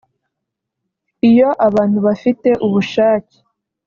Iyo abantu bafite ubushake